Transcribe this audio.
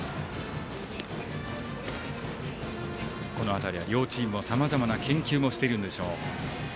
この辺りは両チームもさまざまな研究をしているんでしょう。